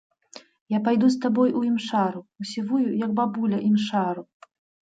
Я пайду з табой у імшару, у сівую, як бабуля, імшару!